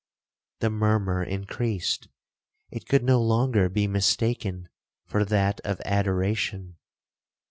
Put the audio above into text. The murmur increased—it could no longer be mistaken for that of adoration.